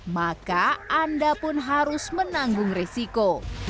maka anda pun harus menanggung resiko